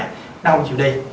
nó không chịu đi